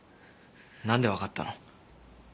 なんでわかったの？